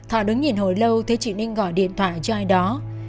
họ đứng nhìn hồi lâu thế trị ninh gọi điện thoại cho ai đó